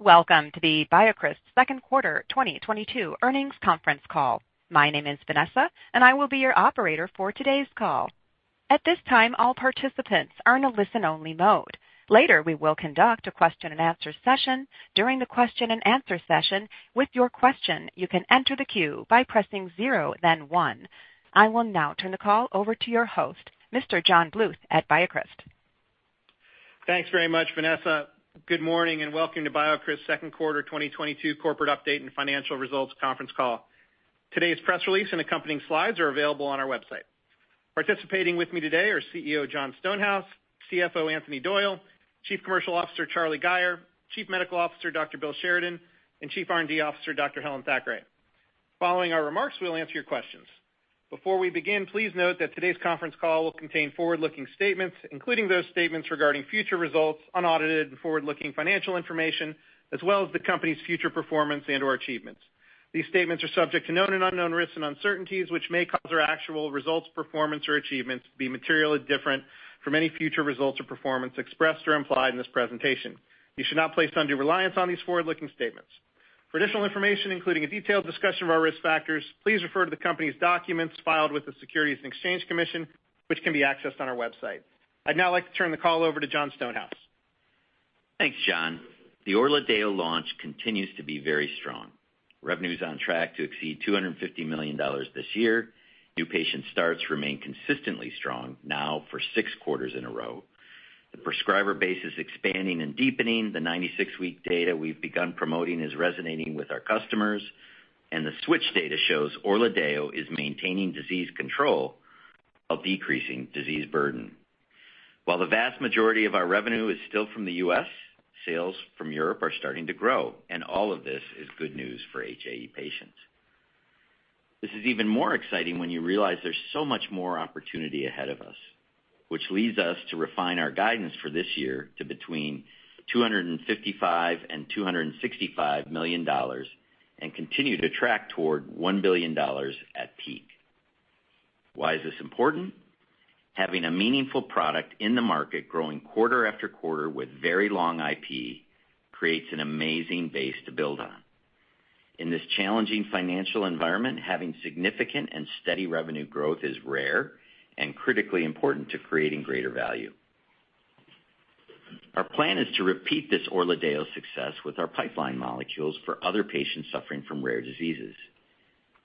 Welcome to the BioCryst second quarter 2022 earnings conference call. My name is Vanessa, and I will be your operator for today's call. At this time, all participants are in a listen-only mode. Later, we will conduct a question and answer session. During the question and answer session, to ask your question, you can enter the queue by pressing zero then one. I will now turn the call over to your host, Mr. John Bluth at BioCryst. Thanks very much, Vanessa. Good morning and welcome to BioCryst's second quarter 2022 corporate update and financial results conference call. Today's press release and accompanying slides are available on our website. Participating with me today are CEO, Jon Stonehouse, CFO, Anthony Doyle, Chief Commercial Officer, Charlie Gayer, Chief Medical Officer, Dr. Bill Sheridan, and Chief R&D Officer, Dr. Helen Thackray. Following our remarks, we'll answer your questions. Before we begin, please note that today's conference call will contain forward-looking statements, including those statements regarding future results, unaudited and forward-looking financial information, as well as the company's future performance and/or achievements. These statements are subject to known and unknown risks and uncertainties, which may cause our actual results, performance, or achievements to be materially different from any future results or performance expressed or implied in this presentation. You should not place undue reliance on these forward-looking statements. For additional information, including a detailed discussion of our risk factors, please refer to the company's documents filed with the Securities and Exchange Commission, which can be accessed on our website. I'd now like to turn the call over to Jon Stonehouse. Thanks, John. The ORLADEYO launch continues to be very strong. Revenue is on track to exceed $250 million this year. New patient starts remain consistently strong now for six quarters in a row. The prescriber base is expanding and deepening. The 96-week data we've begun promoting is resonating with our customers, and the switch data shows ORLADEYO is maintaining disease control while decreasing disease burden. While the vast majority of our revenue is still from the U.S., sales from Europe are starting to grow, and all of this is good news for HAE patients. This is even more exciting when you realize there's so much more opportunity ahead of us, which leads us to refine our guidance for this year to between $255 million and $265 million and continue to track toward $1 billion at peak. Why is this important? Having a meaningful product in the market growing quarter after quarter with very long IP creates an amazing base to build on. In this challenging financial environment, having significant and steady revenue growth is rare and critically important to creating greater value. Our plan is to repeat this ORLADEYO success with our pipeline molecules for other patients suffering from rare diseases.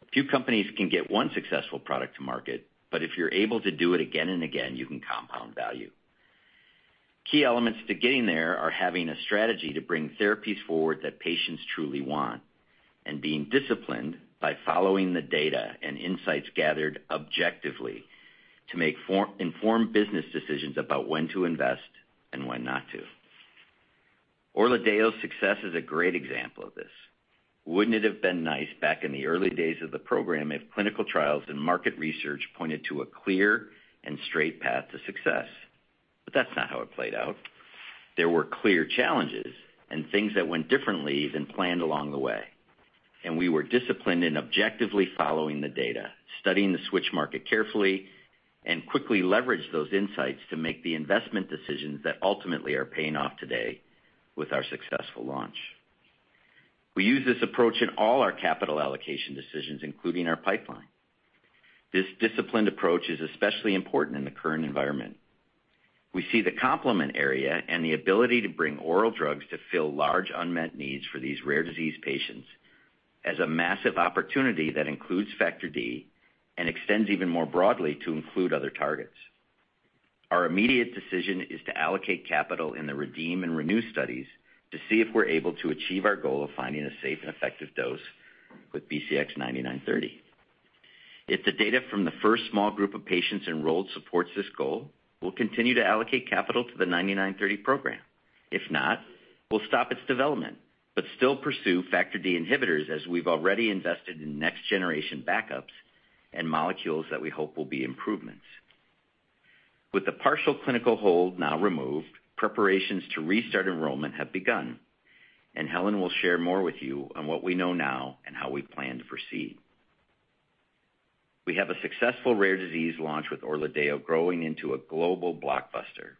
A few companies can get one successful product to market, but if you're able to do it again and again, you can compound value. Key elements to getting there are having a strategy to bring therapies forward that patients truly want and being disciplined by following the data and insights gathered objectively to make informed business decisions about when to invest and when not to. ORLADEYO's success is a great example of this. Wouldn't it have been nice back in the early days of the program if clinical trials and market research pointed to a clear and straight path to success? That's not how it played out. There were clear challenges and things that went differently than planned along the way, and we were disciplined in objectively following the data, studying the switch market carefully and quickly leveraged those insights to make the investment decisions that ultimately are paying off today with our successful launch. We use this approach in all our capital allocation decisions, including our pipeline. This disciplined approach is especially important in the current environment. We see the complement area and the ability to bring oral drugs to fill large unmet needs for these rare disease patients as a massive opportunity that includes factor D and extends even more broadly to include other targets. Our immediate decision is to allocate capital in the REDEEM and RENEW studies to see if we're able to achieve our goal of finding a safe and effective dose with BCX9930. If the data from the first small group of patients enrolled supports this goal, we'll continue to allocate capital to the 9930 program. If not, we'll stop its development, but still pursue factor D inhibitors as we've already invested in next-generation backups and molecules that we hope will be improvements. With the partial clinical hold now removed, preparations to restart enrollment have begun, and Helen will share more with you on what we know now and how we plan to proceed. We have a successful rare disease launch with ORLADEYO growing into a global blockbuster.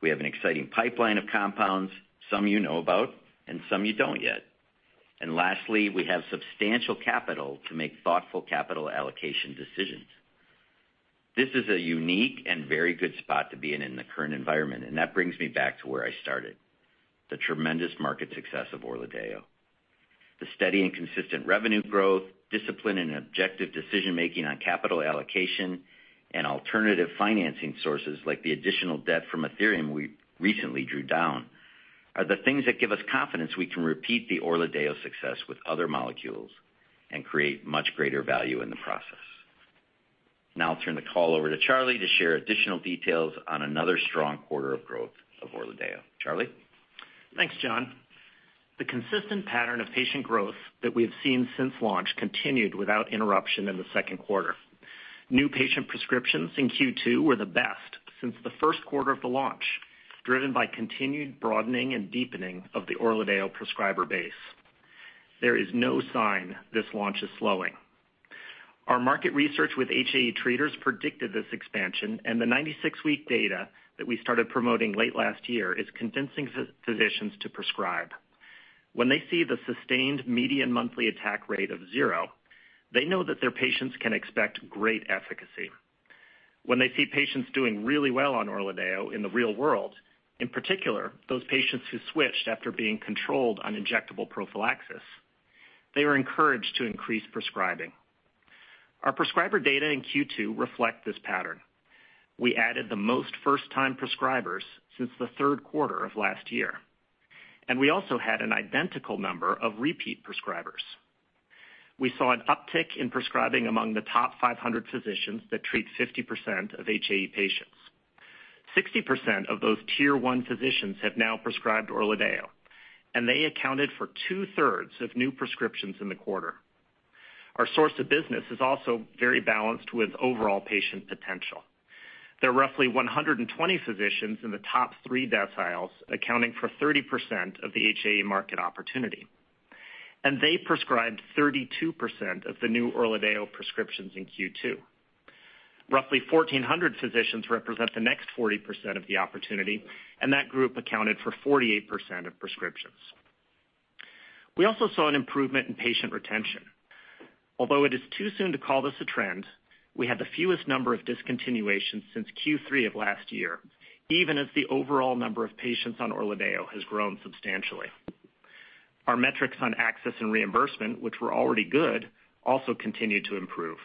We have an exciting pipeline of compounds, some you know about and some you don't yet. Lastly, we have substantial capital to make thoughtful capital allocation decisions. This is a unique and very good spot to be in the current environment, and that brings me back to where I started, the tremendous market success of ORLADEYO. The steady and consistent revenue growth, discipline and objective decision-making on capital allocation and alternative financing sources like the additional debt from Athyrium we recently drew down are the things that give us confidence we can repeat the ORLADEYO success with other molecules and create much greater value in the process. Now I'll turn the call over to Charlie to share additional details on another strong quarter of growth of ORLADEYO. Charlie? Thanks, Jon. The consistent pattern of patient growth that we have seen since launch continued without interruption in the second quarter. New patient prescriptions in Q2 were the best since the first quarter of the launch, driven by continued broadening and deepening of the ORLADEYO prescriber base. There is no sign this launch is slowing. Our market research with HAE treaters predicted this expansion, and the 96-week data that we started promoting late last year is convincing physicians to prescribe. When they see the sustained median monthly attack rate of zero, they know that their patients can expect great efficacy. When they see patients doing really well on ORLADEYO in the real world, in particular, those patients who switched after being controlled on injectable prophylaxis, they were encouraged to increase prescribing. Our prescriber data in Q2 reflect this pattern. We added the most first-time prescribers since the third quarter of last year, and we also had an identical number of repeat prescribers. We saw an uptick in prescribing among the top 500 physicians that treat 50% of HAE patients. 60% of those tier one physicians have now prescribed ORLADEYO, and they accounted for two-thirds of new prescriptions in the quarter. Our source of business is also very balanced with overall patient potential. There are roughly 120 physicians in the top three deciles, accounting for 30% of the HAE market opportunity, and they prescribed 32% of the new ORLADEYO prescriptions in Q2. Roughly 1,400 physicians represent the next 40% of the opportunity, and that group accounted for 48% of prescriptions. We also saw an improvement in patient retention. Although it is too soon to call this a trend, we had the fewest number of discontinuations since Q3 of last year, even as the overall number of patients on ORLADEYO has grown substantially. Our metrics on access and reimbursement, which were already good, also continued to improve.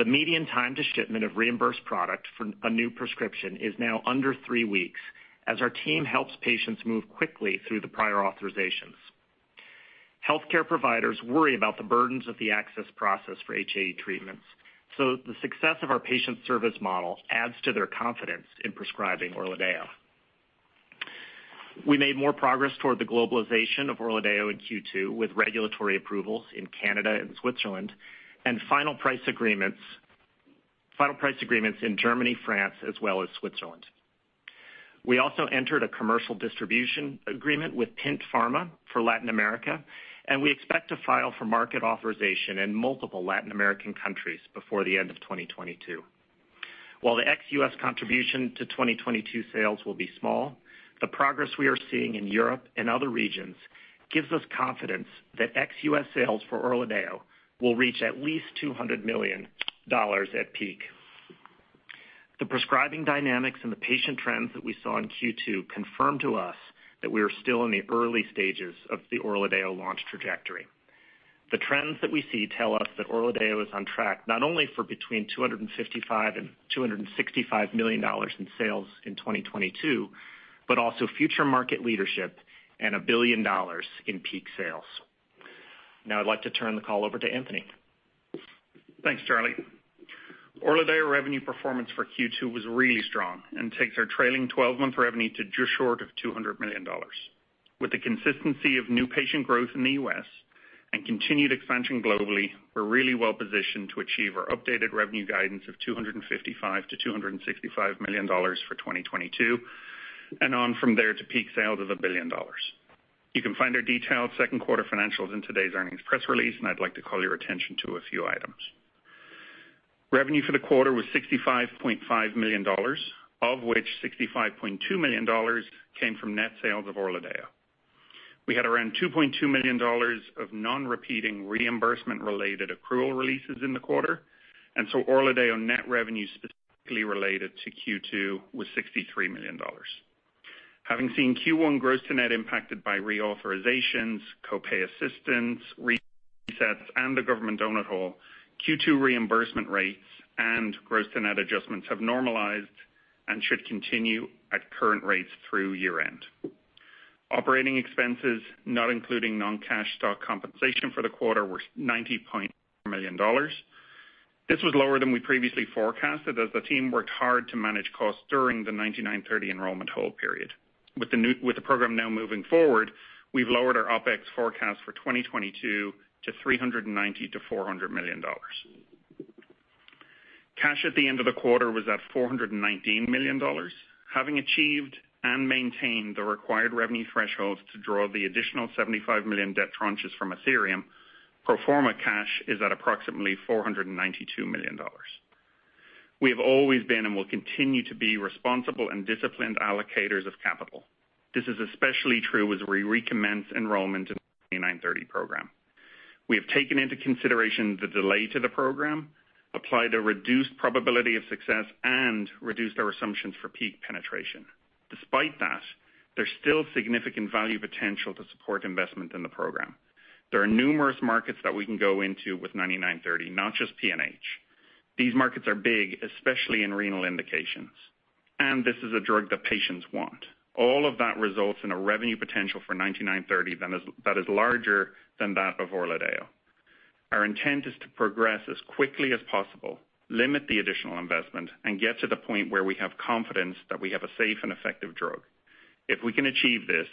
The median time to shipment of reimbursed product for a new prescription is now under three weeks as our team helps patients move quickly through the prior authorizations. Healthcare providers worry about the burdens of the access process for HAE treatments, so the success of our patient service model adds to their confidence in prescribing ORLADEYO. We made more progress toward the globalization of ORLADEYO in Q2 with regulatory approvals in Canada and Switzerland and final price agreements in Germany, France, as well as Switzerland. We also entered a commercial distribution agreement with Pint Pharma for Latin America, and we expect to file for market authorization in multiple Latin American countries before the end of 2022. While the ex-U.S. contribution to 2022 sales will be small, the progress we are seeing in Europe and other regions gives us confidence that ex-U.S. sales for ORLADEYO will reach at least $200 million at peak. The prescribing dynamics and the patient trends that we saw in Q2 confirm to us that we are still in the early stages of the ORLADEYO launch trajectory. The trends that we see tell us that ORLADEYO is on track, not only for between $255 million and $265 million in sales in 2022, but also future market leadership and $1 billion in peak sales. Now I'd like to turn the call over to Anthony. Thanks, Charlie. ORLADEYO revenue performance for Q2 was really strong and takes our trailing 12 month revenue to just short of $200 million. With the consistency of new patient growth in the U.S. and continued expansion globally, we're really well-positioned to achieve our updated revenue guidance of $255 million-$265 million for 2022, and on from there to peak sales of $1 billion. You can find our detailed second quarter financials in today's earnings press release, and I'd like to call your attention to a few items. Revenue for the quarter was $65.5 million, of which $65.2 million came from net sales of ORLADEYO. We had around $2.2 million of non-repeating reimbursement-related accrual releases in the quarter, and so ORLADEYO net revenue specifically related to Q2 was $63 million. Having seen Q1 gross to net impacted by reauthorizations, copay assistance, resets, and the government donut hole, Q2 reimbursement rates and gross to net adjustments have normalized and should continue at current rates through year-end. Operating expenses, not including non-cash stock compensation for the quarter, were $90 million. This was lower than we previously forecasted as the team worked hard to manage costs during the 9930 enrollment hold period. With the program now moving forward, we've lowered our OpEx forecast for 2022 to $390 million-$400 million. Cash at the end of the quarter was at $419 million. Having achieved and maintained the required revenue thresholds to draw the additional $75 million debt tranches from Athyrium, pro forma cash is at approximately $492 million. We have always been and will continue to be responsible and disciplined allocators of capital. This is especially true as we recommence enrollment in the 9930 program. We have taken into consideration the delay to the program, applied a reduced probability of success, and reduced our assumptions for peak penetration. Despite that, there's still significant value potential to support investment in the program. There are numerous markets that we can go into with 9930, not just PNH. These markets are big, especially in renal indications, and this is a drug that patients want. All of that results in a revenue potential for 9930 that is larger than that of ORLADEYO. Our intent is to progress as quickly as possible, limit the additional investment, and get to the point where we have confidence that we have a safe and effective drug. If we can achieve this,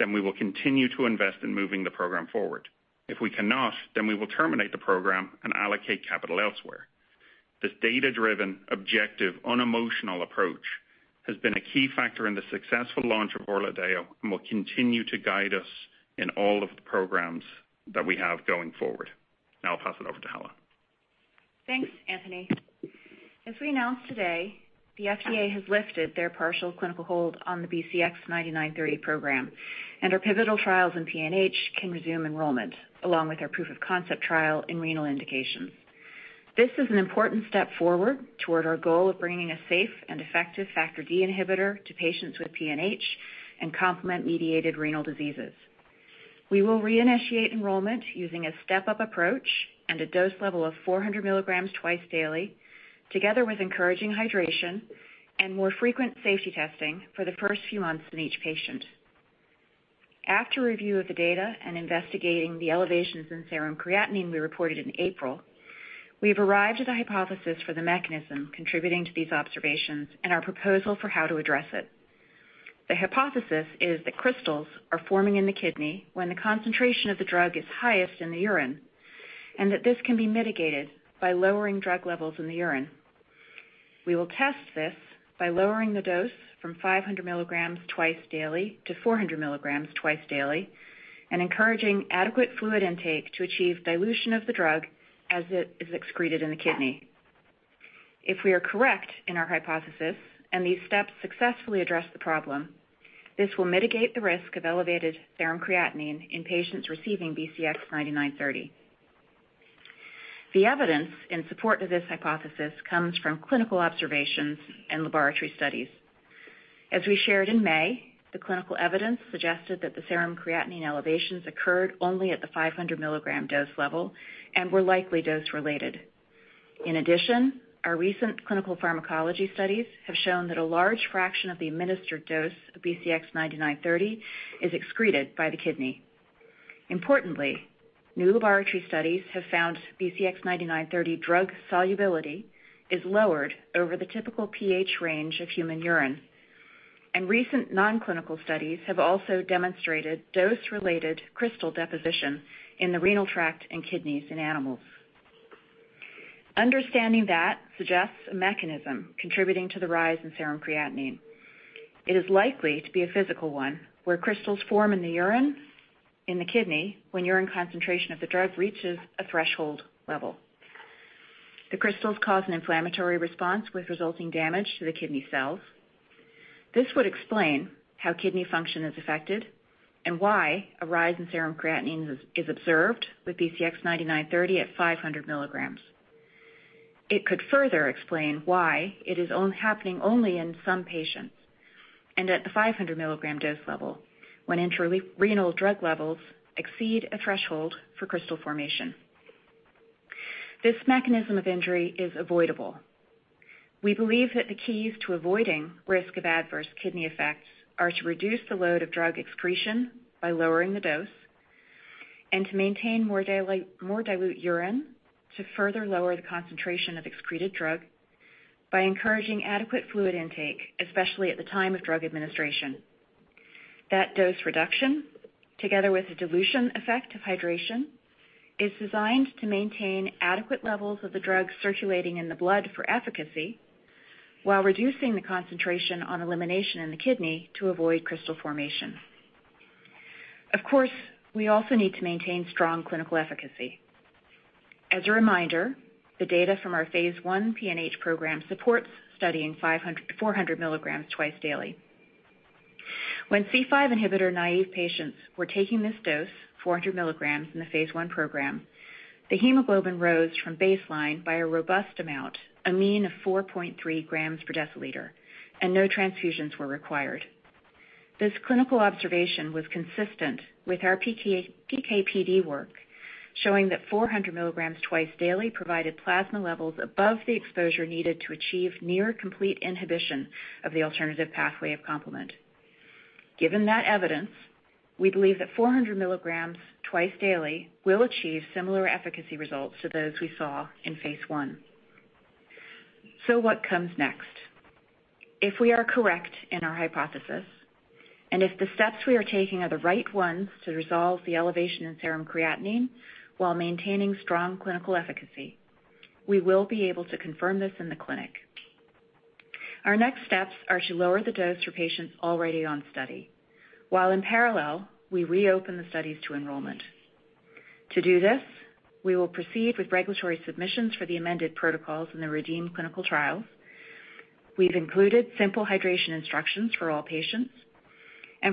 then we will continue to invest in moving the program forward. If we cannot, then we will terminate the program and allocate capital elsewhere. This data-driven, objective, unemotional approach has been a key factor in the successful launch of ORLADEYO and will continue to guide us in all of the programs that we have going forward. Now I'll pass it over to Helen. Thanks, Anthony. As we announced today, the FDA has lifted their partial clinical hold on the BCX9930 program, and our pivotal trials in PNH can resume enrollment, along with our proof of concept trial in renal indications. This is an important step forward toward our goal of bringing a safe and effective factor D inhibitor to patients with PNH and complement-mediated renal diseases. We will reinitiate enrollment using a step-up approach and a dose level of 400 mg twice daily, together with encouraging hydration and more frequent safety testing for the first few months in each patient. After review of the data and investigating the elevations in serum creatinine we reported in April, we have arrived at a hypothesis for the mechanism contributing to these observations and our proposal for how to address it. The hypothesis is that crystals are forming in the kidney when the concentration of the drug is highest in the urine, and that this can be mitigated by lowering drug levels in the urine. We will test this by lowering the dose from 500 mg twice daily to 400 mg twice daily and encouraging adequate fluid intake to achieve dilution of the drug as it is excreted in the kidney. If we are correct in our hypothesis and these steps successfully address the problem, this will mitigate the risk of elevated serum creatinine in patients receiving BCX9930. The evidence in support of this hypothesis comes from clinical observations and laboratory studies. As we shared in May, the clinical evidence suggested that the serum creatinine elevations occurred only at the 500 mg dose level and were likely dose-related. In addition, our recent clinical pharmacology studies have shown that a large fraction of the administered dose of BCX9930 is excreted by the kidney. Importantly, new laboratory studies have found BCX9930 drug solubility is lowered over the typical pH range of human urine. Recent nonclinical studies have also demonstrated dose-related crystal deposition in the renal tract and kidneys in animals. Understanding that suggests a mechanism contributing to the rise in serum creatinine. It is likely to be a physical one, where crystals form in the urine, in the kidney when urine concentration of the drug reaches a threshold level. The crystals cause an inflammatory response with resulting damage to the kidney cells. This would explain how kidney function is affected and why a rise in serum creatinine is observed with BCX9930 at 500 mg. It could further explain why it is happening only in some patients and at the 500 mg dose level when intra-renal drug levels exceed a threshold for crystal formation. This mechanism of injury is avoidable. We believe that the keys to avoiding risk of adverse kidney effects are to reduce the load of drug excretion by lowering the dose and to maintain more dilute urine to further lower the concentration of excreted drug by encouraging adequate fluid intake, especially at the time of drug administration. That dose reduction, together with the dilution effect of hydration, is designed to maintain adequate levels of the drug circulating in the blood for efficacy while reducing the concentration on elimination in the kidney to avoid crystal formation. Of course, we also need to maintain strong clinical efficacy. As a reminder, the data from our phase I PNH program supports studying 400 mg twice daily. When C5 inhibitor-naive patients were taking this dose, 400 mg in the phase I program, the hemoglobin rose from baseline by a robust amount, a mean of 4.3 grams per deciliter, and no transfusions were required. This clinical observation was consistent with our PK/PD work, showing that 400 mg twice daily provided plasma levels above the exposure needed to achieve near complete inhibition of the alternative pathway of complement. Given that evidence, we believe that 400 mg twice daily will achieve similar efficacy results to those we saw in phase I. What comes next? If we are correct in our hypothesis, and if the steps we are taking are the right ones to resolve the elevation in serum creatinine while maintaining strong clinical efficacy, we will be able to confirm this in the clinic. Our next steps are to lower the dose for patients already on study, while in parallel, we reopen the studies to enrollment. To do this, we will proceed with regulatory submissions for the amended protocols in the REDEEM clinical trials. We've included simple hydration instructions for all patients.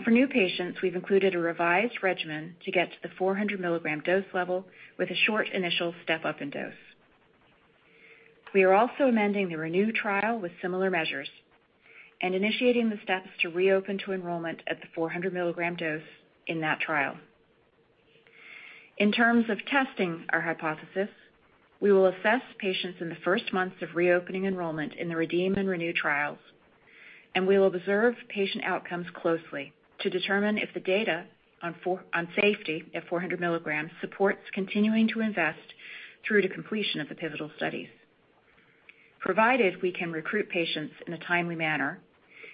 For new patients, we've included a revised regimen to get to the 400 mg dose level with a short initial step-up in dose. We are also amending the RENEW trial with similar measures and initiating the steps to reopen to enrollment at the 400 mg dose in that trial. In terms of testing our hypothesis, we will assess patients in the first months of reopening enrollment in the REDEEM and RENEW trials, and we will observe patient outcomes closely to determine if the data on safety at 400 mg supports continuing to invest through to completion of the pivotal studies. Provided we can recruit patients in a timely manner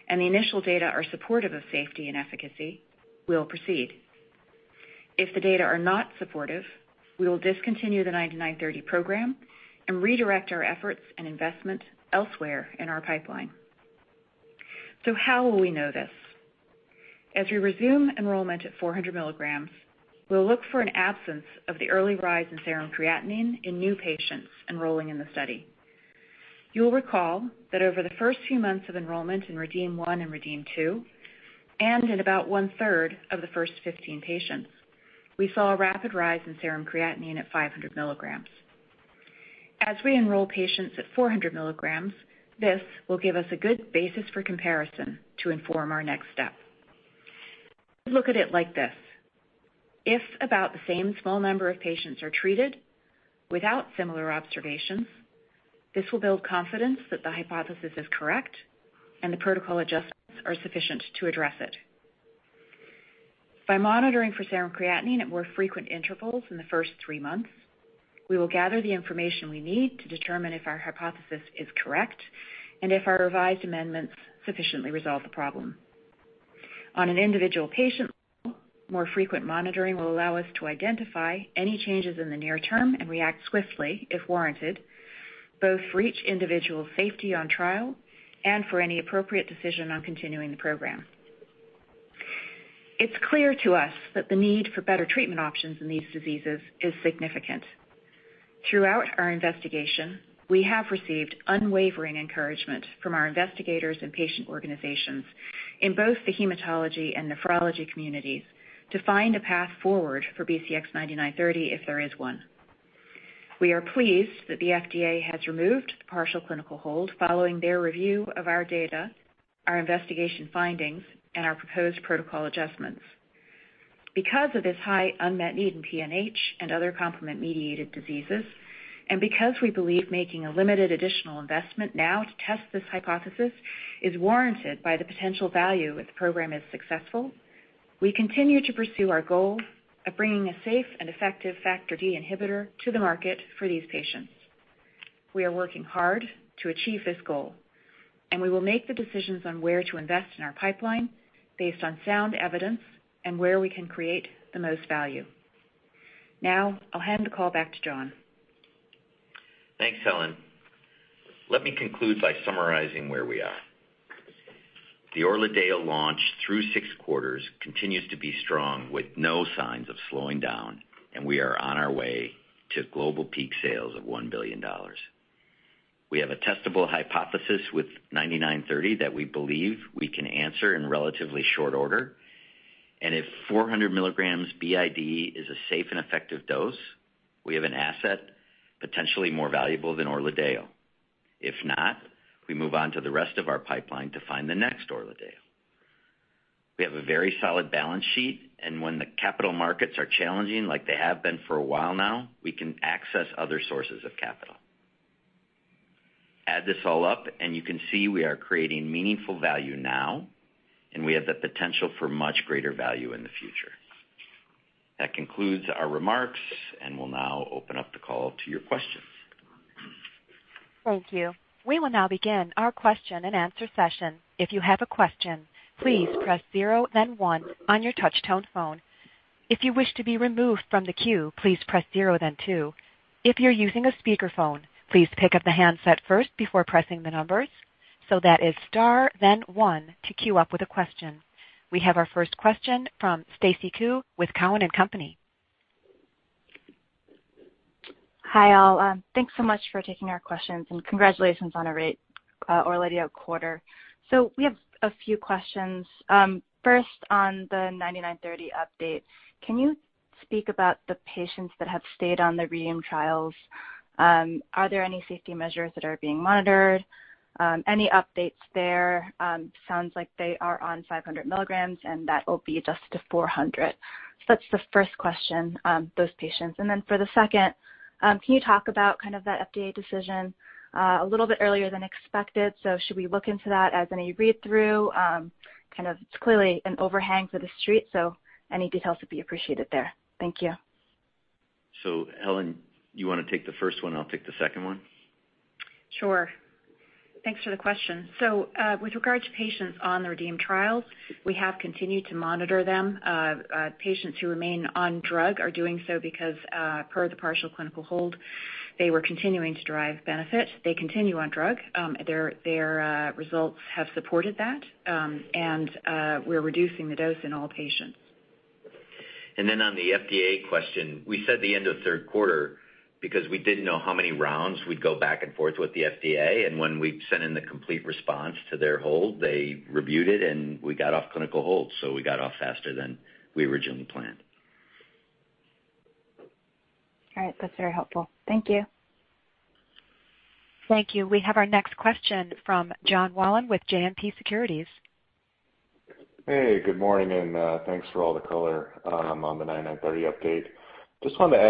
and the initial data are supportive of safety and efficacy, we will proceed. If the data are not supportive, we will discontinue the BCX9930 program and redirect our efforts and investment elsewhere in our pipeline. How will we know this? As we resume enrollment at 400 mg, we'll look for an absence of the early rise in serum creatinine in new patients enrolling in the study. You'll recall that over the first few months of enrollment in REDEEM-1 and REDEEM-2, and in about 1/3 of the first 15 patients, we saw a rapid rise in serum creatinine at 500 mg. As we enroll patients at 400 mg, this will give us a good basis for comparison to inform our next step. Look at it like this. If about the same small number of patients are treated without similar observations, this will build confidence that the hypothesis is correct and the protocol adjustments are sufficient to address it. By monitoring for serum creatinine at more frequent intervals in the first three months, we will gather the information we need to determine if our hypothesis is correct and if our revised amendments sufficiently resolve the problem. On an individual patient level, more frequent monitoring will allow us to identify any changes in the near term and react swiftly if warranted, both for each individual's safety on trial and for any appropriate decision on continuing the program. It's clear to us that the need for better treatment options in these diseases is significant. Throughout our investigation, we have received unwavering encouragement from our investigators and patient organizations in both the hematology and nephrology communities to find a path forward for BCX9930 if there is one. We are pleased that the FDA has removed the partial clinical hold following their review of our data, our investigation findings, and our proposed protocol adjustments. Because of this high unmet need in PNH and other complement-mediated diseases, and because we believe making a limited additional investment now to test this hypothesis is warranted by the potential value if the program is successful, we continue to pursue our goal of bringing a safe and effective factor D inhibitor to the market for these patients. We are working hard to achieve this goal, and we will make the decisions on where to invest in our pipeline based on sound evidence and where we can create the most value. Now I'll hand the call back to Jon Stonehouse. Thanks, Helen. Let me conclude by summarizing where we are. The ORLADEYO launch through six quarters continues to be strong with no signs of slowing down, and we are on our way to global peak sales of $1 billion. We have a testable hypothesis with BCX9930 that we believe we can answer in relatively short order. If 400 mg BID is a safe and effective dose, we have an asset potentially more valuable than ORLADEYO. If not, we move on to the rest of our pipeline to find the next ORLADEYO. We have a very solid balance sheet, and when the capital markets are challenging like they have been for a while now, we can access other sources of capital. Add this all up and you can see we are creating meaningful value now, and we have the potential for much greater value in the future. That concludes our remarks, and we'll now open up the call to your questions. Thank you. We will now begin our question-and-answer session. If you have a question, please press zero then one on your touch-tone phone. If you wish to be removed from the queue, please press zero then two. If you're using a speakerphone, please pick up the handset first before pressing the numbers. That is star then one to queue up with a question. We have our first question from Stacy Ku with Cowen and Company. Hi, all. Thanks so much for taking our questions and congratulations on a great ORLADEYO quarter. We have a few questions. First, on the BCX9930 update, can you speak about the patients that have stayed on the REDEEM trials? Are there any safety measures that are being monitored? Any updates there? Sounds like they are on 500 mg, and that will be adjusted to 400. That's the first question, those patients. Then for the second, can you talk about kind of that FDA decision a little bit earlier than expected? Should we look into that as any read-through? Kind of it's clearly an overhang for the Street, so any details would be appreciated there. Thank you. Helen, you wanna take the first one? I'll take the second one. Sure. Thanks for the question. With regard to patients on the REDEEM trials, we have continued to monitor them. Patients who remain on drug are doing so because, per the partial clinical hold, they were continuing to derive benefit. They continue on drug. Their results have supported that. We're reducing the dose in all patients. Then on the FDA question, we said the end of third quarter because we didn't know how many rounds we'd go back and forth with the FDA. When we sent in the complete response to their hold, they reviewed it, and we got off clinical hold, so we got off faster than we originally planned. All right. That's very helpful. Thank you. Thank you. We have our next question from Jonathan Wolleben with JMP Securities. Hey, good morning, and thanks for all the color on the 9930 update. Just wanted to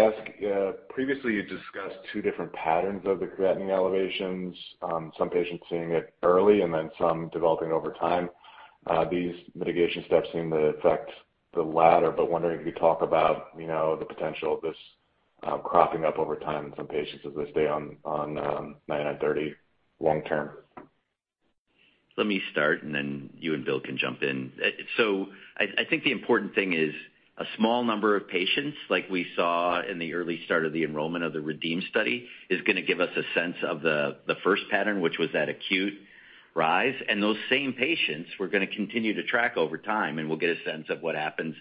ask, previously you discussed two different patterns of the creatinine elevations, some patients seeing it early and then some developing over time. These mitigation steps seem to affect the latter, but wondering if you talk about, you know, the potential of this cropping up over time in some patients as they stay on 9930 long term. Let me start, and then you and Bill can jump in. I think the important thing is a small number of patients, like we saw in the early start of the enrollment of the REDEEM study, is gonna give us a sense of the first pattern, which was that acute rise, and those same patients we're gonna continue to track over time, and we'll get a sense of what happens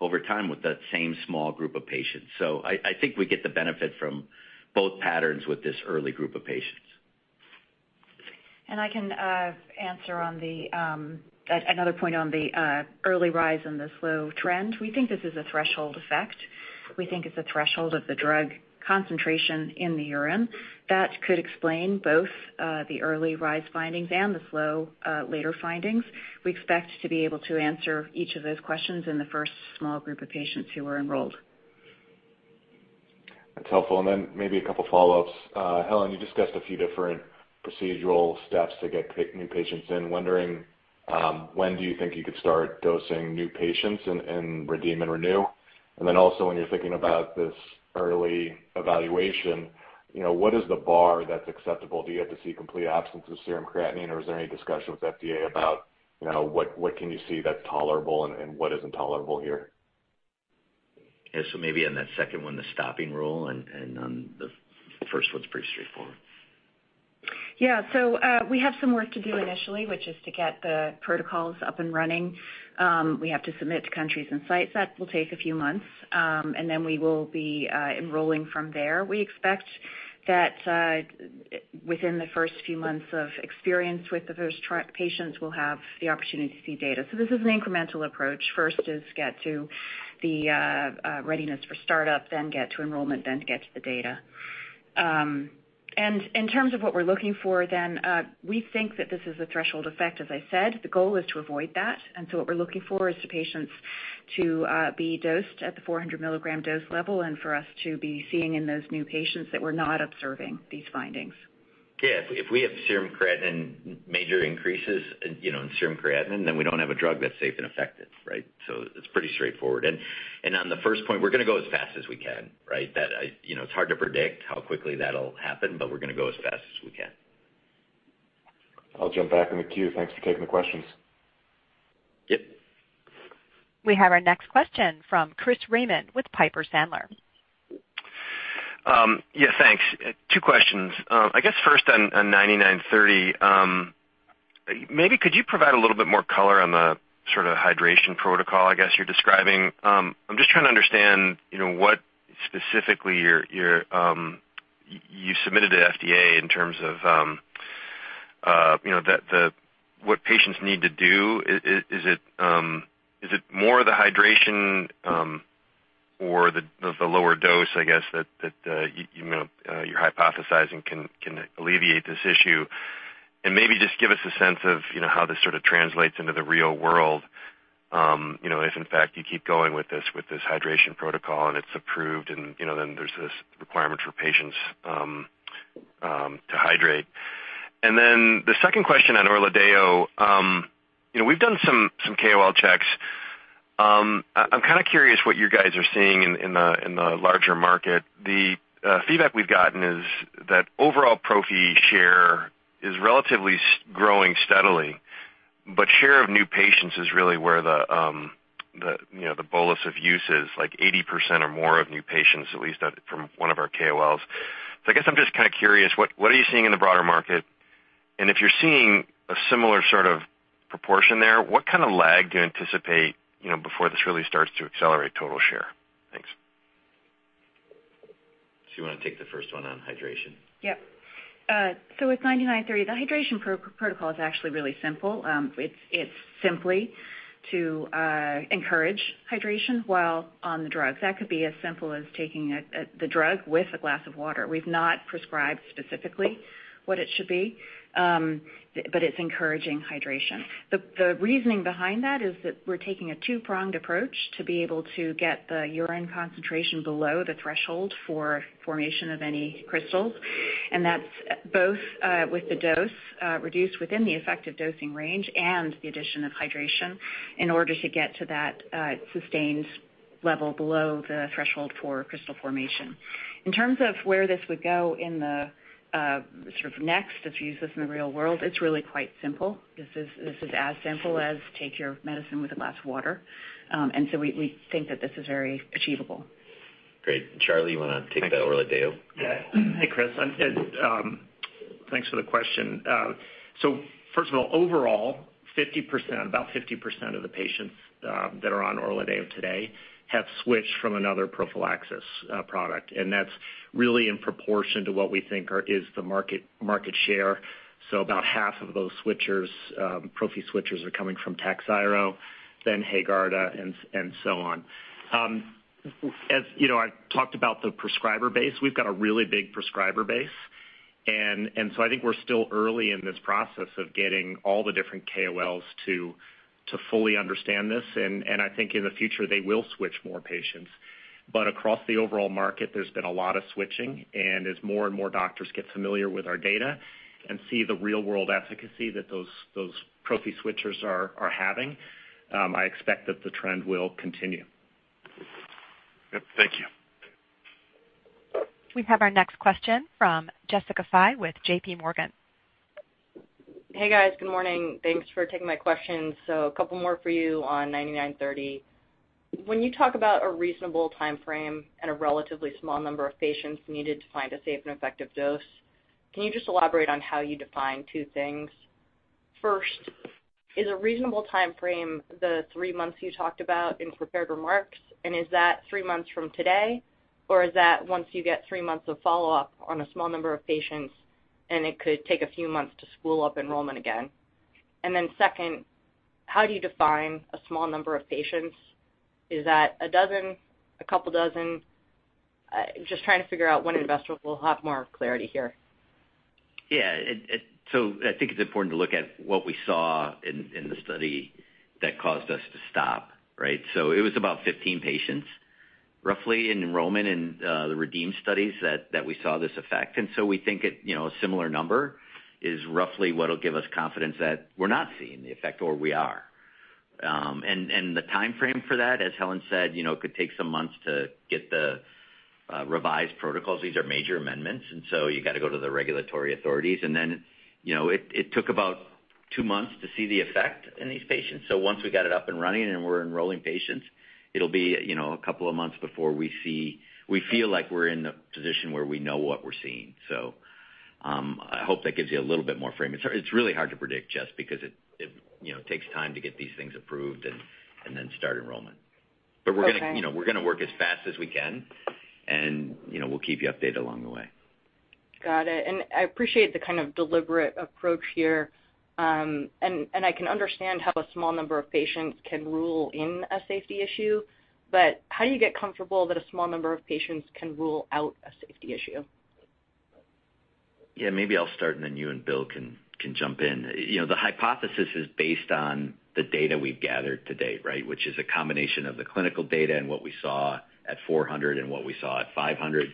over time with that same small group of patients. I think we get the benefit from both patterns with this early group of patients. I can answer on another point on the early rise and the slow trend. We think this is a threshold effect. We think it's a threshold of the drug concentration in the urine that could explain both the early rise findings and the slow later findings. We expect to be able to answer each of those questions in the first small group of patients who are enrolled. That's helpful. Maybe a couple follow-ups. Helen, you discussed a few different procedural steps to get new patients in. Wondering, when do you think you could start dosing new patients in REDEEM and RENEW? Also, when you're thinking about this early evaluation, you know, what is the bar that's acceptable? Do you have to see complete absence of serum creatinine, or is there any discussion with FDA about, you know, what can you see that's tolerable and what isn't tolerable here? Yeah. Maybe on that second one, the stopping rule, and on the first one's pretty straightforward. We have some work to do initially, which is to get the protocols up and running. We have to submit to countries and sites. That will take a few months, and then we will be enrolling from there. We expect that within the first few months of experience with the first patients, we'll have the opportunity to see data. This is an incremental approach. First is get to the readiness for startup, then get to enrollment, then get to the data. In terms of what we're looking for then, we think that this is a threshold effect, as I said. The goal is to avoid that. What we're looking for is the patients to be dosed at the 400 mg dose level and for us to be seeing in those new patients that we're not observing these findings. Yeah. If we have serum creatinine major increases, you know, in serum creatinine, then we don't have a drug that's safe and effective, right? It's pretty straightforward. On the first point, we're gonna go as fast as we can, right? You know, it's hard to predict how quickly that'll happen, but we're gonna go as fast as we can. I'll jump back in the queue. Thanks for taking the questions. Yep. We have our next question from Chris Raymond with Piper Sandler. Yeah, thanks. Two questions. I guess first on BCX9930, maybe could you provide a little bit more color on the sort of hydration protocol, I guess, you're describing? I'm just trying to understand, you know, what specifically you're you submitted to FDA in terms of, you know, the, what patients need to do. Is it more the hydration or the lower dose, I guess, that you know you're hypothesizing can alleviate this issue? And maybe just give us a sense of, you know, how this sort of translates into the real world, you know, if in fact you keep going with this hydration protocol and it's approved and, you know, then there's this requirement for patients to hydrate. And then the second question on ORLADEYO. You know, we've done some KOL checks. I'm kinda curious what you guys are seeing in the larger market. The feedback we've gotten is that overall prophy share is relatively growing steadily, but share of new patients is really where the, you know, the bolus of use is, like 80% or more of new patients, at least from one of our KOLs. I guess I'm just kinda curious, what are you seeing in the broader market? If you're seeing a similar sort of proportion there, what kind of lag do you anticipate, you know, before this really starts to accelerate total share? Thanks. You wanna take the first one on hydration? Yep, with 9930, the hydration protocol is actually really simple. It's simply to encourage hydration while on the drug. That could be as simple as taking the drug with a glass of water. We've not prescribed specifically what it should be, but it's encouraging hydration. The reasoning behind that is that we're taking a two-pronged approach to be able to get the urine concentration below the threshold for formation of any crystals, and that's both with the dose reduced within the effective dosing range and the addition of hydration in order to get to that sustained level below the threshold for crystal formation. In terms of where this would go in the sort of next, if you use this in the real world, it's really quite simple. This is as simple as take your medicine with a glass of water. We think that this is very achievable. Great. Charlie, you wanna take the ORLADEYO? Yeah. Yeah. Hey, Chris. Thanks for the question. First of all, overall, 50%, about 50% of the patients that are on ORLADEYO today have switched from another prophylaxis product, and that's really in proportion to what we think is the market share. About half of those switchers, prophy switchers are coming from TAKHZYRO, then HAEGARDA and so on. As you know, I talked about the prescriber base. We've got a really big prescriber base, and so I think we're still early in this process of getting all the different KOLs to fully understand this. I think in the future, they will switch more patients. Across the overall market, there's been a lot of switching. As more and more doctors get familiar with our data and see the real-world efficacy that those Prophy switchers are having, I expect that the trend will continue. Yep. Thank you. We have our next question from Jessica Fye with JPMorgan. Hey, guys. Good morning. Thanks for taking my questions. A couple more for you on 9930. When you talk about a reasonable timeframe and a relatively small number of patients needed to find a safe and effective dose, can you just elaborate on how you define two things? First, is a reasonable timeframe the three months you talked about in prepared remarks, and is that three months from today, or is that once you get three months of follow-up on a small number of patients and it could take a few months to spool up enrollment again? Second, how do you define a small number of patients? Is that a dozen? A couple dozen? Just trying to figure out when investors will have more clarity here. I think it's important to look at what we saw in the study that caused us to stop, right? It was about 15 patients roughly in enrollment in the REDEEM studies that we saw this effect. We think it, you know, a similar number is roughly what'll give us confidence that we're not seeing the effect or we are. The timeframe for that, as Helen said, you know, it could take some months to get the revised protocols. These are major amendments, and so you gotta go to the regulatory authorities. Then, you know, it took about two months to see the effect in these patients. Once we got it up and running and we're enrolling patients, it'll be, you know, a couple of months before we see. We feel like we're in the position where we know what we're seeing. I hope that gives you a little bit more frame. It's really hard to predict, Jess, because it you know, takes time to get these things approved and then start enrollment. Okay. We're gonna, you know, work as fast as we can, and, you know, we'll keep you updated along the way. Got it. I appreciate the kind of deliberate approach here. I can understand how a small number of patients can rule in a safety issue, but how do you get comfortable that a small number of patients can rule out a safety issue? Yeah, maybe I'll start, and then you and Bill can jump in. You know, the hypothesis is based on the data we've gathered to date, right? Which is a combination of the clinical data and what we saw at 400 and what we saw at 500,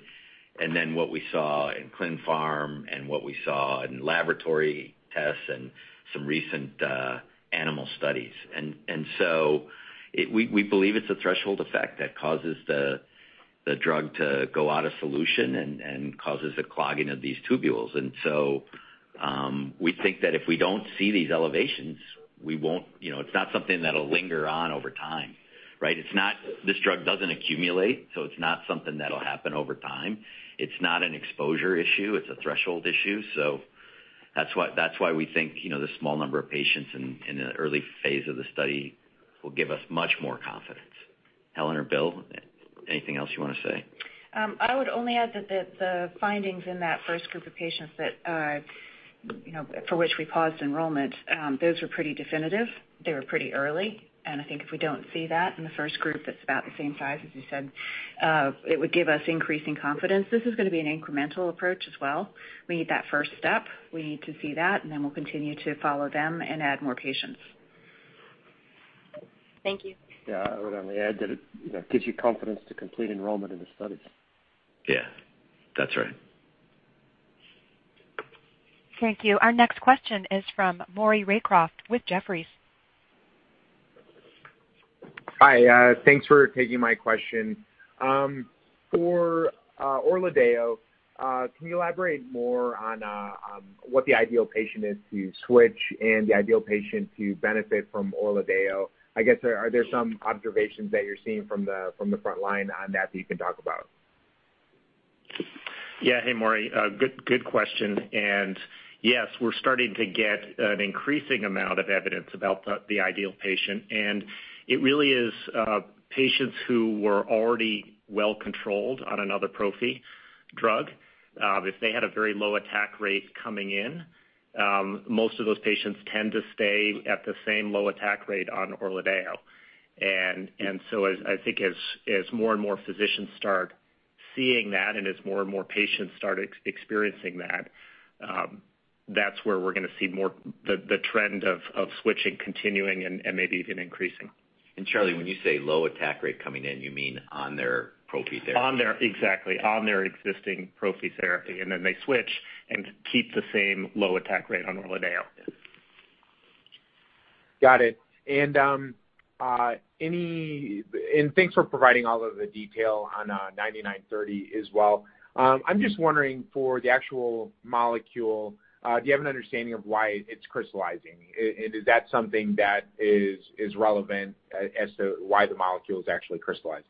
and then what we saw in clinical pharmacology and what we saw in laboratory tests and some recent animal studies. We believe it's a threshold effect that causes the drug to go out of solution and causes a clogging of these tubules. We think that if we don't see these elevations, we won't, you know, it's not something that'll linger on over time, right? It's not. This drug doesn't accumulate, so it's not something that'll happen over time. It's not an exposure issue, it's a threshold issue. That's why we think, you know, the small number of patients in the early phase of the study will give us much more confidence. Helen or Bill, anything else you wanna say? I would only add that the findings in that first group of patients that, you know, for which we paused enrollment, those were pretty definitive. They were pretty early, and I think if we don't see that in the first group that's about the same size as you said, it would give us increasing confidence. This is gonna be an incremental approach as well. We need that first step. We need to see that, and then we'll continue to follow them and add more patients. Thank you. Yeah. I would only add that it, you know, gives you confidence to complete enrollment in the studies. Yeah, that's right. Thank you. Our next question is from Maurice Raycroft with Jefferies. Hi. Thanks for taking my question. For ORLADEYO, can you elaborate more on what the ideal patient is to switch and the ideal patient to benefit from ORLADEYO? I guess are there some observations that you're seeing from the front line on that you can talk about? Yeah. Hey, Maury. Good question. Yes, we're starting to get an increasing amount of evidence about the ideal patient, and it really is patients who were already well controlled on another prophy drug. If they had a very low attack rate coming in, most of those patients tend to stay at the same low attack rate on ORLADEYO. As I think, as more and more physicians start seeing that and as more and more patients start experiencing that's where we're gonna see more of the trend of switching continuing and maybe even increasing. Charlie, when you say low attack rate coming in, you mean on their prophy therapy? Exactly. On their existing prophy therapy, and then they switch and keep the same low attack rate on ORLADEYO. Got it. Thanks for providing all of the detail on 9930 as well. I'm just wondering for the actual molecule, do you have an understanding of why it's crystallizing? Is that something that is relevant as to why the molecule is actually crystallizing?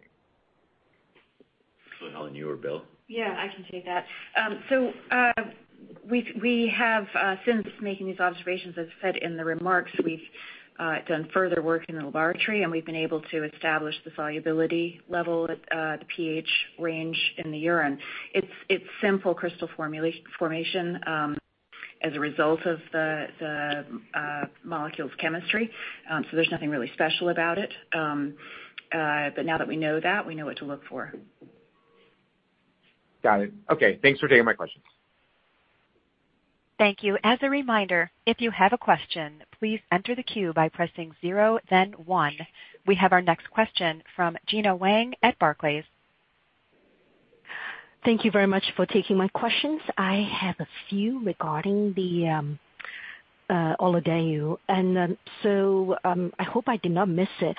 Helen, you or Bill? Yeah, I can take that. We have since making these observations, as said in the remarks, we've done further work in the laboratory, and we've been able to establish the solubility level at the pH range in the urine. It's simple crystal formation, as a result of the molecule's chemistry. There's nothing really special about it. Now that we know that, we know what to look for. Got it. Okay. Thanks for taking my questions. Thank you. As a reminder, if you have a question, please enter the queue by pressing zero then one. We have our next question from Gena Wang at Barclays. Thank you very much for taking my questions. I have a few regarding the ORLADEYO. I hope I did not miss it.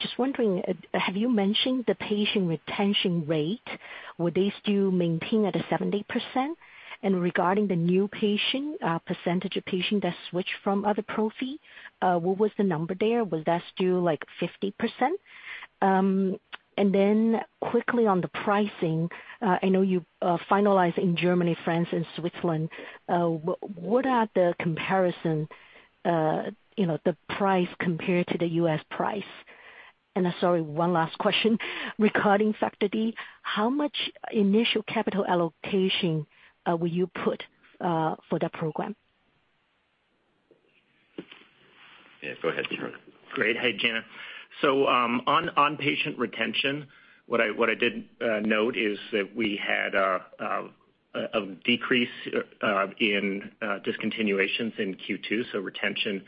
Just wondering, have you mentioned the patient retention rate? Would they still maintain at a 70%? Regarding the new patient percentage of patients that switch from other prophy, what was the number there? Was that still like 50%? Quickly on the pricing, I know you finalized in Germany, France and Switzerland. What are the comparison, you know, the price compared to the U.S. price? Sorry, one last question. Regarding factor D, how much initial capital allocation will you put for that program? Yeah, go ahead, Charlie. Great. Hey, Gena. On patient retention, what I did note is that we had a decrease in discontinuations in Q2. Retention,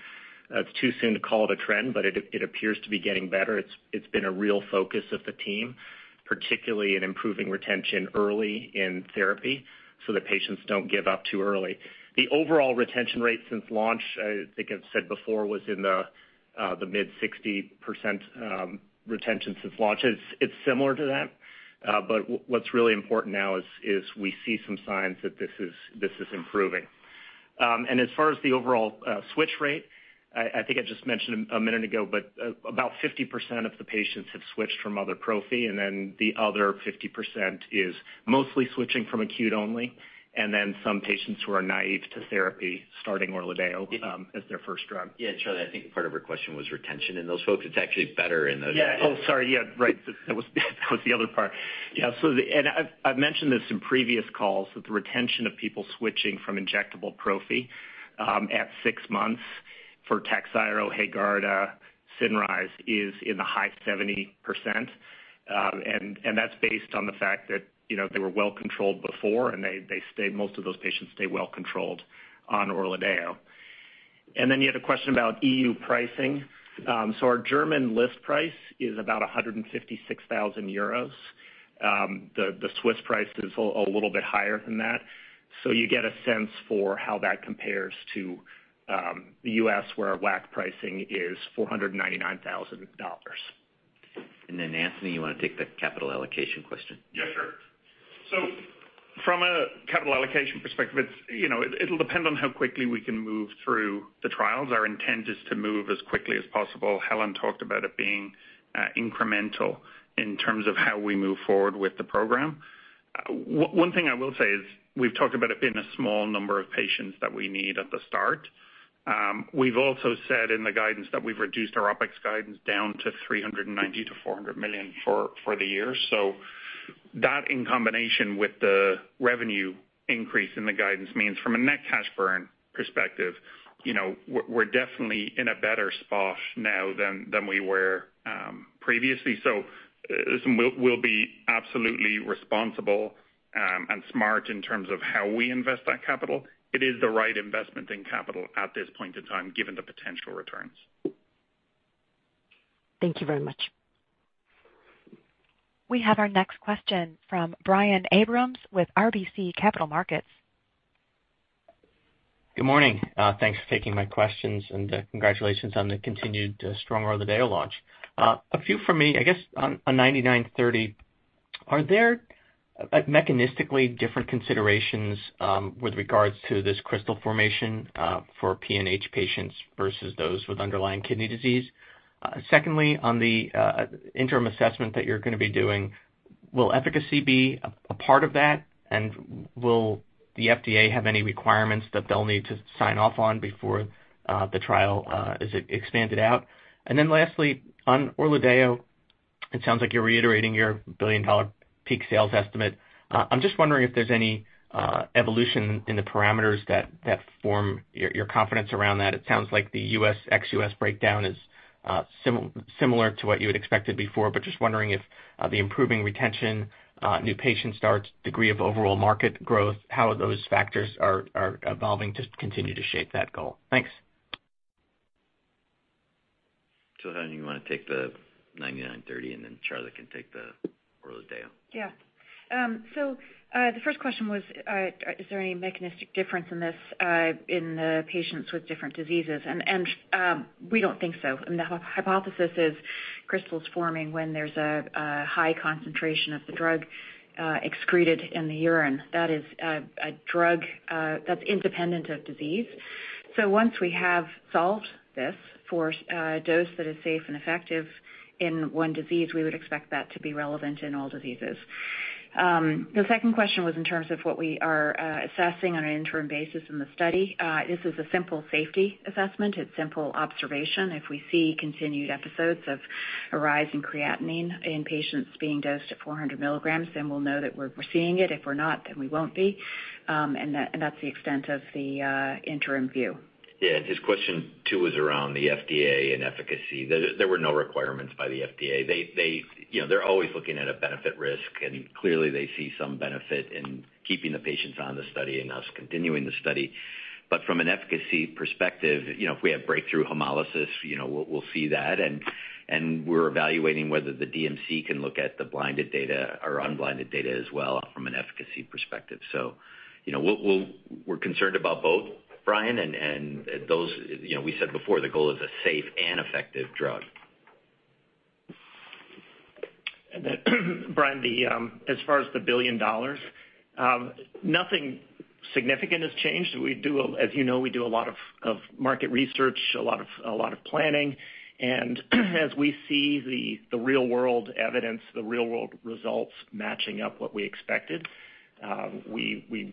it's too soon to call it a trend, but it appears to be getting better. It's been a real focus of the team, particularly in improving retention early in therapy so that patients don't give up too early. The overall retention rate since launch, I think I've said before, was in the mid-60% retention since launch. It's similar to that. But what's really important now is we see some signs that this is improving. As far as the overall switch rate, I think I just mentioned a minute ago, but about 50% of the patients have switched from other prophy and then the other 50% is mostly switching from acute only and then some patients who are naive to therapy starting ORLADEYO as their first drug. Yeah, Charlie, I think part of her question was retention in those folks. It's actually better in those. That was the other part. I've mentioned this in previous calls that the retention of people switching from injectable prophy at six months for TAKHZYRO, HAEGARDA, CINRYZE is in the high 70%. That's based on the fact that, you know, they were well controlled before and they stayed, most of those patients stay well controlled on ORLADEYO. Then you had a question about EU pricing. Our German list price is about 156,000 euros. The Swiss price is a little bit higher than that. You get a sense for how that compares to the U.S., where our WAC pricing is $499,000 Anthony, you wanna take the capital allocation question? Yeah, sure. From a capital allocation perspective, it's, you know, it'll depend on how quickly we can move through the trials. Our intent is to move as quickly as possible. Helen talked about it being incremental in terms of how we move forward with the program. One thing I will say is we've talked about it being a small number of patients that we need at the start. We've also said in the guidance that we've reduced our OpEx guidance down to $390 million-$400 million for the year. That in combination with the revenue increase in the guidance means from a net cash burn perspective, we're definitely in a better spot now than we were previously. Listen, we'll be absolutely responsible and smart in terms of how we invest that capital. It is the right investment in capital at this point in time, given the potential returns. Thank you very much. We have our next question from Brian Abrahams with RBC Capital Markets. Good morning. Thanks for taking my questions and, congratulations on the continued strong ORLADEYO launch. A few from me, I guess on 9930. Are there, like, mechanistically different considerations with regards to this crystal formation for PNH patients versus those with underlying kidney disease? Secondly, on the interim assessment that you're gonna be doing, will efficacy be a part of that? And will the FDA have any requirements that they'll need to sign off on before the trial is expanded out? And then lastly, on ORLADEYO, it sounds like you're reiterating your billion-dollar peak sales estimate. I'm just wondering if there's any evolution in the parameters that form your confidence around that. It sounds like the U.S., ex-U.S. breakdown is similar to what you had expected before, but just wondering if the improving retention, new patient starts, degree of overall market growth, how those factors are evolving to continue to shape that goal? Thanks. Helen, you wanna take the 9930, and then Charlie can take the ORLADEYO. The first question was, is there any mechanistic difference in this, in the patients with different diseases? We don't think so. I mean, the hypothesis is crystals forming when there's a high concentration of the drug excreted in the urine. That is a drug that's independent of disease. Once we have solved this for a dose that is safe and effective in one disease, we would expect that to be relevant in all diseases. The second question was in terms of what we are assessing on an interim basis in the study. This is a simple safety assessment. It's simple observation. If we see continued episodes of a rise in creatinine in patients being dosed at 400 mg, then we'll know that we're seeing it. If we're not, then we won't be. That's the extent of the interim view. Yeah. His question two was around the FDA and efficacy. There were no requirements by the FDA. They, you know, they're always looking at a benefit risk, and clearly they see some benefit in keeping the patients on the study and us continuing the study. From an efficacy perspective, you know, if we have breakthrough hemolysis, you know, we'll see that. We're evaluating whether the DMC can look at the blinded data or unblinded data as well from an efficacy perspective. You know, we'll, we're concerned about both, Brian, and those, you know, we said before, the goal is a safe and effective drug. Brian, as far as the $1 billion, nothing significant has changed. We do, as you know, we do a lot of market research, a lot of planning. As we see the real-world evidence, the real-world results matching up what we expected, we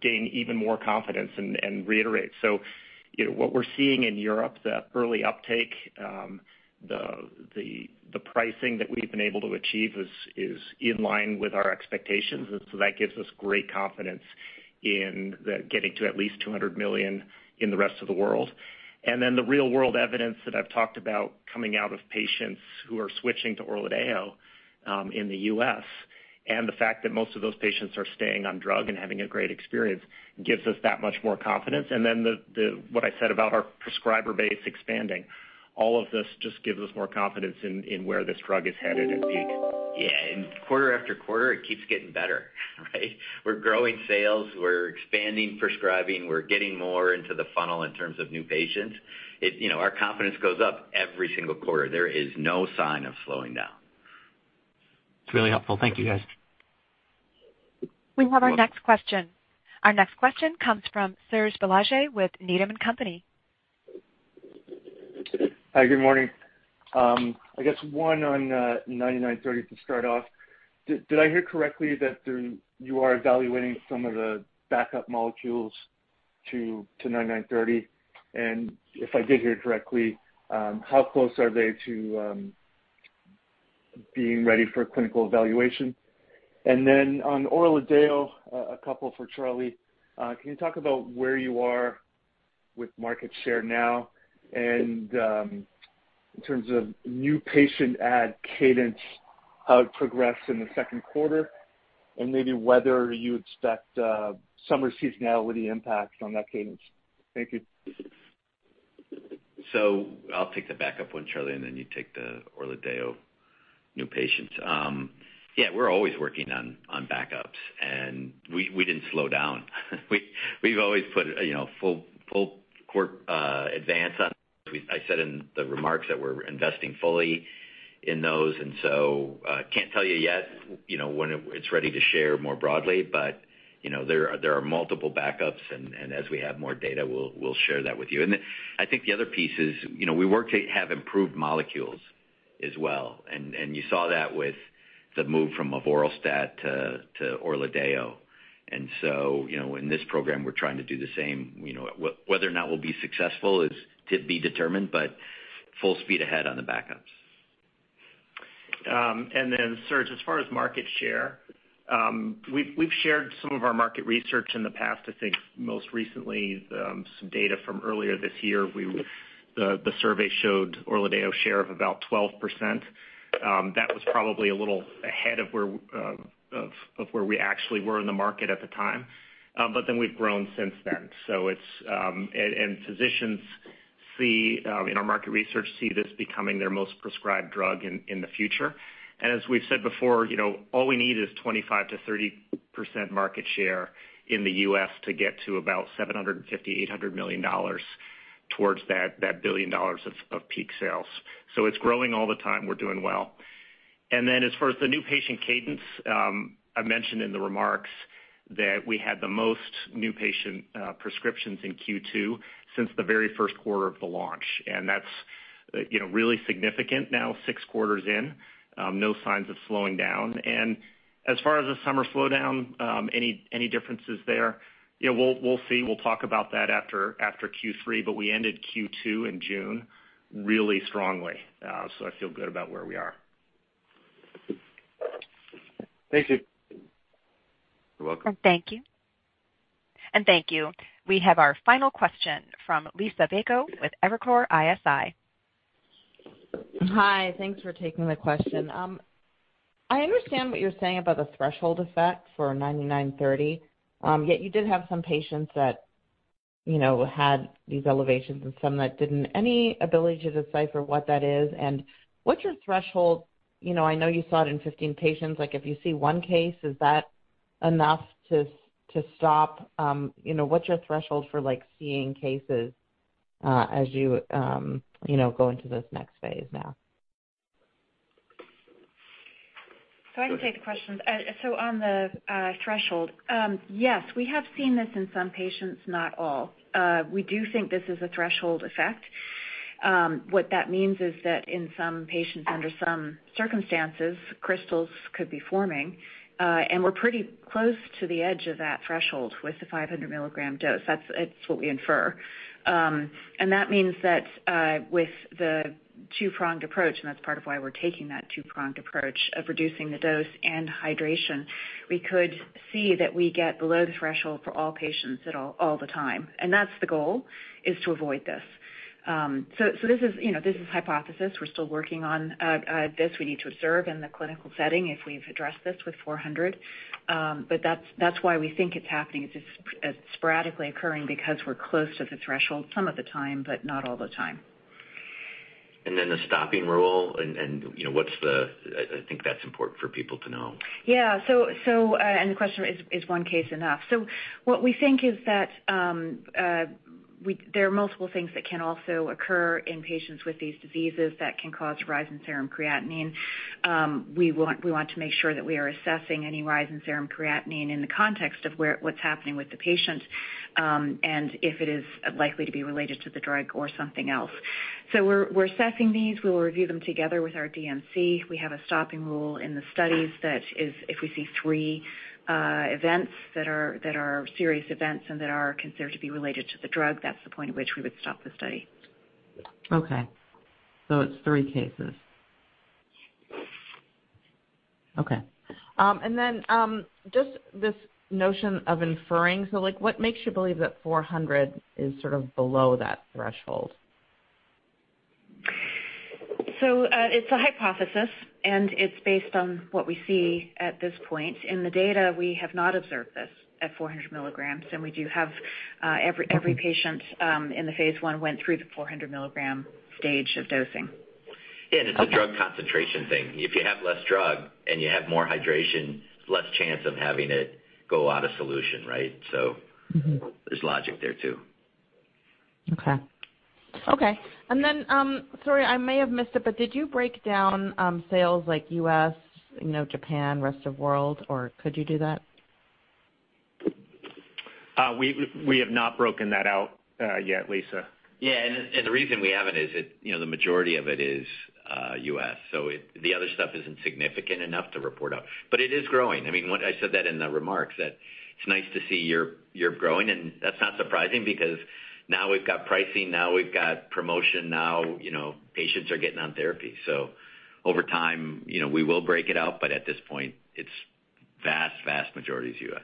gain even more confidence and reiterate. You know, what we're seeing in Europe, the early uptake, the pricing that we've been able to achieve is in line with our expectations. That gives us great confidence in the getting to at least $200 million in the rest of the world. The real-world evidence that I've talked about coming out of patients who are switching to ORLADEYO, in the U.S., and the fact that most of those patients are staying on drug and having a great experience gives us that much more confidence. What I said about our prescriber base expanding, all of this just gives us more confidence in where this drug is headed at peak. Yeah. Quarter after quarter, it keeps getting better, right? We're growing sales, we're expanding prescribing, we're getting more into the funnel in terms of new patients. It, you know, our confidence goes up every single quarter. There is no sign of slowing down. It's really helpful. Thank you, guys. We have our next question. Our next question comes from Serge Belanger with Needham & Company. Hi, good morning. I guess one on 9930 to start off. Did I hear correctly that you are evaluating some of the backup molecules to 9930? And if I did hear correctly, how close are they to being ready for clinical evaluation? And then on ORLADEYO, a couple for Charlie. Can you talk about where you are with market share now, and in terms of new patient add cadence, how it progressed in the second quarter, and maybe whether you expect summer seasonality impact on that cadence? Thank you. I'll take the backup one, Charlie Gayer, and then you take the ORLADEYO new patients. Yeah, we're always working on backups, and we didn't slow down. We've always put, you know, full court press on. I said in the remarks that we're investing fully in those. Can't tell you yet, you know, when it's ready to share more broadly, but, you know, there are multiple backups, and as we have more data, we'll share that with you. I think the other piece is, you know, we work to have improved molecules as well. You saw that with the move from avoralstat to ORLADEYO. You know, in this program, we're trying to do the same. You know, whether or not we'll be successful is to be determined, but full speed ahead on the backups. Serge, as far as market share, we've shared some of our market research in the past. I think most recently, some data from earlier this year, the survey showed ORLADEYO share of about 12%. That was probably a little ahead of where we actually were in the market at the time. We've grown since then. It's growing all the time. Physicians see in our market research this becoming their most prescribed drug in the future. As we've said before, you know, all we need is 25%-30% market share in the U.S. to get to about $750 million-$800 million towards that billion dollars of peak sales. We're doing well. Then as far as the new patient cadence, I mentioned in the remarks that we had the most new patient prescriptions in Q2 since the very first quarter of the launch. That's, you know, really significant now six quarters in, no signs of slowing down. As far as the summer slowdown, any differences there? You know, we'll see. We'll talk about that after Q3, but we ended Q2 in June really strongly. So I feel good about where we are. Thank you. You're welcome. Thank you. We have our final question from Liisa Bayko with Evercore ISI. Hi. Thanks for taking the question. I understand what you're saying about the threshold effect for 9930, yet you did have some patients that, you know, had these elevations and some that didn't. Any ability to decipher what that is, and what's your threshold? You know, I know you saw it in 15 patients. Like, if you see one case, is that enough to stop? You know, what's your threshold for, like, seeing cases, as you know, go into this next phase now? I can take the question. On the threshold, yes, we have seen this in some patients, not all. We do think this is a threshold effect. What that means is that in some patients, under some circumstances, crystals could be forming, and we're pretty close to the edge of that threshold with the 500 mg dose. That's what we infer. That means that with the two-pronged approach, and that's part of why we're taking that two-pronged approach of reducing the dose and hydration, we could see that we get below the threshold for all patients at all times. That's the goal, is to avoid this. This is, you know, this is hypothesis. We're still working on this. We need to observe in the clinical setting if we've addressed this with 400. That's why we think it's happening. It's sporadically occurring because we're close to the threshold some of the time, but not all the time. The stopping rule and you know, what's the, I think that's important for people to know. Yeah. The question is one case enough? What we think is that there are multiple things that can also occur in patients with these diseases that can cause rise in serum creatinine. We want to make sure that we are assessing any rise in serum creatinine in the context of what's happening with the patient, and if it is likely to be related to the drug or something else. We're assessing these. We will review them together with our DMC. We have a stopping rule in the studies that is if we see three events that are serious events and that are considered to be related to the drug, that's the point at which we would stop the study. Okay. It's three cases. Okay. Then, just this notion of inferring. Like, what makes you believe that 400 is sort of below that threshold? It's a hypothesis, and it's based on what we see at this point. In the data, we have not observed this at 400 mg, and we do have every patient in the phase one went through the 400 mg stage of dosing. Yeah. It's a drug concentration thing. If you have less drug and you have more hydration, less chance of having it go out of solution, right? Mm-hmm. There's logic there too. Okay. Sorry, I may have missed it, but did you break down sales like U.S., you know, Japan, rest of world, or could you do that? We have not broken that out yet, Liisa. Yeah. The reason we haven't is that, you know, the majority of it is U.S.. The other stuff isn't significant enough to report out. It is growing. I mean, what I said in the remarks, that it's nice to see it growing, and that's not surprising because now we've got pricing, now we've got promotion, now, you know, patients are getting on therapy. Over time, you know, we will break it out, but at this point it's vast majority is U.S..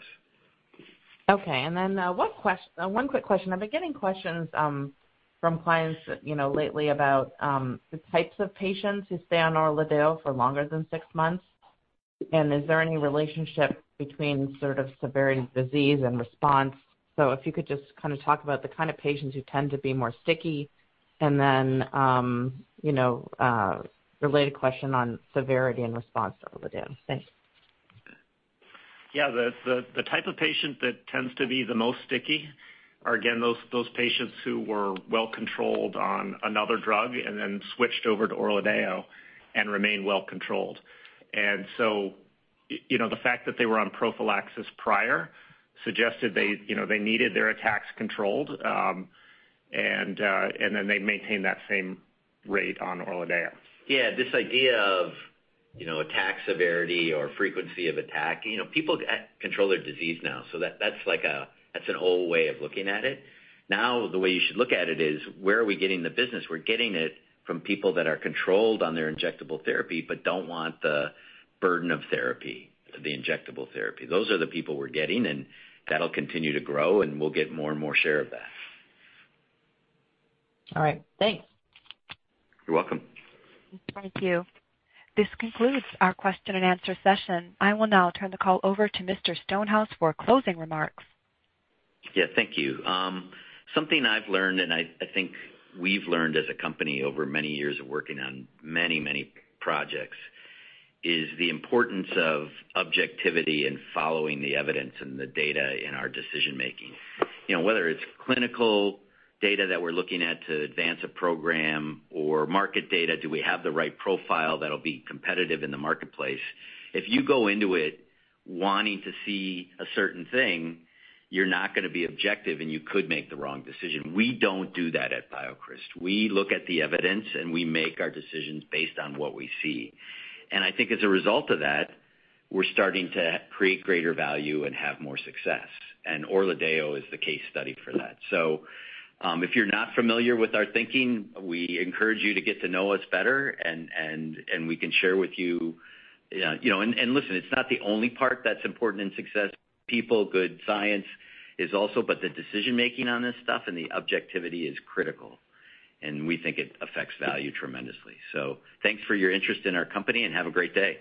Okay. One quick question. I've been getting questions from clients, you know, lately about the types of patients who stay on ORLADEYO for longer than six months. Is there any relationship between sort of severity of disease and response? If you could just kind of talk about the kind of patients who tend to be more sticky. You know, related question on severity and response to ORLADEYO. Thanks. Yeah. The type of patient that tends to be the most sticky are, again, those patients who were well controlled on another drug and then switched over to ORLADEYO and remain well controlled. You know, the fact that they were on prophylaxis prior suggested they, you know, they needed their attacks controlled. They maintain that same rate on ORLADEYO. Yeah. This idea of, you know, attack severity or frequency of attack, you know, people control their disease now, so that's like. That's an old way of looking at it. Now, the way you should look at it is where are we getting the business? We're getting it from people that are controlled on their injectable therapy but don't want the burden of therapy, the injectable therapy. Those are the people we're getting, and that'll continue to grow, and we'll get more and more share of that. All right. Thanks. You're welcome. Thank you. This concludes our question and answer session. I will now turn the call over to Mr. Stonehouse for closing remarks. Yeah. Thank you. Something I've learned, and I think we've learned as a company over many years of working on many, many projects, is the importance of objectivity and following the evidence and the data in our decision-making. You know, whether it's clinical data that we're looking at to advance a program or market data, do we have the right profile that'll be competitive in the marketplace? If you go into it wanting to see a certain thing, you're not gonna be objective, and you could make the wrong decision. We don't do that at BioCryst. We look at the evidence, and we make our decisions based on what we see. I think as a result of that, we're starting to create greater value and have more success. ORLADEYO is the case study for that. If you're not familiar with our thinking, we encourage you to get to know us better and we can share with you know. Listen, it's not the only part that's important in success. People, good science is also, but the decision-making on this stuff and the objectivity is critical, and we think it affects value tremendously. Thanks for your interest in our company and have a great day.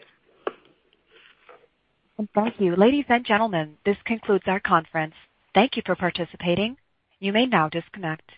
Thank you. Ladies and gentlemen, this concludes our conference. Thank you for participating. You may now disconnect.